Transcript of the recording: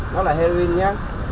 nó là heroin nha